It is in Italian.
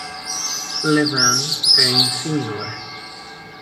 Le vent è in Si minore.